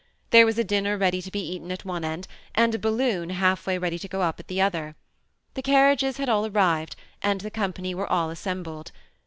There was a dinner ready to be eaten at one end, and a balloon half ready to go up at the other. Th6 car riages had all arrived, and the company were all assem bled.